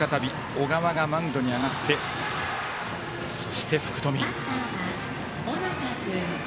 小川がマウンドに上がってそして、福冨。